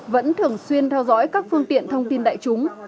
vẫn thường xuyên theo dõi các phương tiện thông tin đại chúng